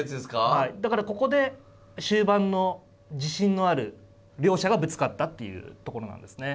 はいだからここで終盤の自信のある両者がぶつかったっていうところなんですね。